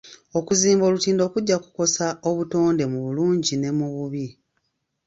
Okuzimba olutindo kujja kukosa obutonde mu bulungi ne mu bubi.